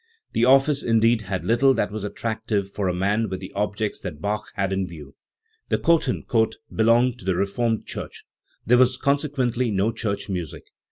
The office, indeed, had little that was attractive for a man with the objects that Bach had in view. The Cothen Court belonged to the reformed church; there was consequently no church music.